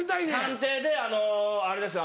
探偵であのあれですよ